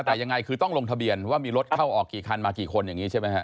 แต่ยังไงคือต้องลงทะเบียนว่ามีรถเข้าออกกี่คันมากี่คนอย่างนี้ใช่ไหมฮะ